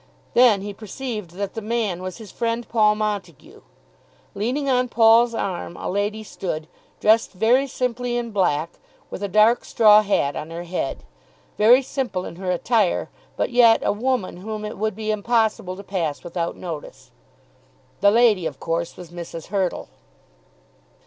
Then he perceived that the man was his friend Paul Montague. Leaning on Paul's arm a lady stood, dressed very simply in black, with a dark straw hat on her head; very simple in her attire, but yet a woman whom it would be impossible to pass without notice. The lady of course was Mrs. Hurtle.